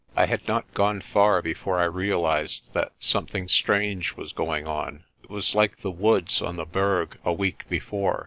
I had not gone far before I realised that something strange was going on. It was like the woods on the Berg a week before.